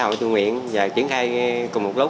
bảo hiểm xã hội tự nguyện và triển khai cùng một lúc